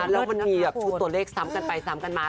แล้วมันมีแบบชุดตัวเลขซ้ำกันไปซ้ำกันมา